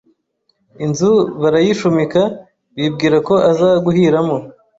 inzu barayishumika bibwira ko aza guhiramo